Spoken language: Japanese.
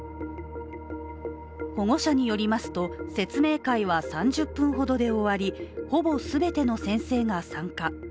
保護者によりますと、説明会は３０分ほどで終わりほぼ全ての先生が参加。